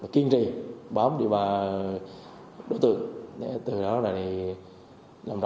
kiên trì bám địa bàn